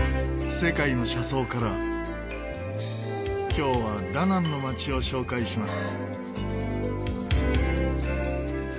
今日はダナンの街を紹介します。